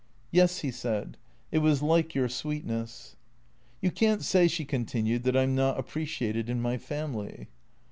" Yes," he said. " It was like your sweetness." " You can't say," she continued, " that I 'm not appreciated in my family."